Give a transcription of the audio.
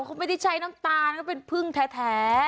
เขาไม่ได้ใช้น้ำตาลก็เป็นพึ่งแท้